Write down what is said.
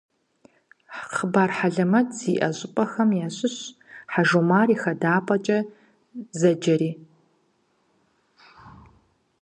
Хъыбар хьэлэмэт зиӏэ щӏыпӏэхэм ящыщщ «Хьэжумар и хадапӏэкӏэ» зэджэри.